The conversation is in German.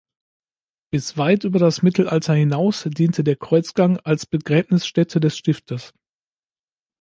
Bis weit über das Mittelalter hinaus diente der Kreuzgang als Begräbnisstätte des Stiftes.